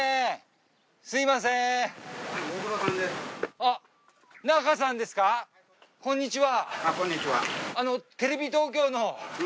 あっこんにちは。